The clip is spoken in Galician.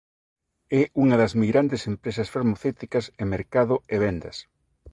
É un das meirandes empresas farmacéuticas en mercado e vendas.